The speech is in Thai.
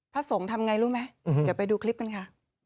พระสงฆ์ทำไงรู้ไหมเดี๋ยวไปดูคลิปกันค่ะ